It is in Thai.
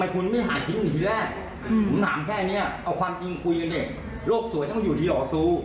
ผมถามแค่เนี่ยเอาความจริงคุยกันเนี่ยโรคสวยต้องอยู่ที่หล่อซู